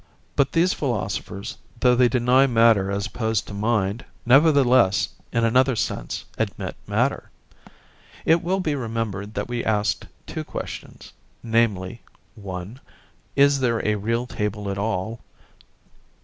But these philosophers, though they deny matter as opposed to mind, nevertheless, in another sense, admit matter. It will be remembered that we asked two questions; namely, (1) Is there a real table at all?